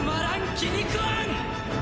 気に食わん！